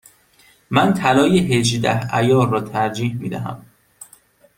من طلای هجده عیار را ترجیح می دهم.